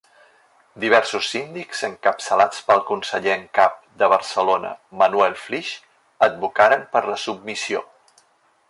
Diversos síndics encapçalats pel conseller en cap de Barcelona Manuel Flix advocaren per la submissió.